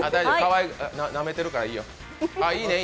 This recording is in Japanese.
なめてるからいいよ、いいね。